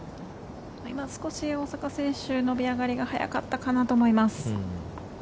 今、少し大坂選手伸び上がりが早かったかなと思います。